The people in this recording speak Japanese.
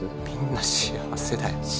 「みんな幸せだよ。